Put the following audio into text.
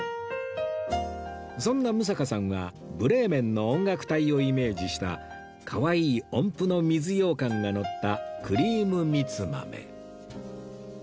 そんな六平さんはブレーメンの音楽隊をイメージしたかわいい音符の水ようかんがのったクリームみつまめ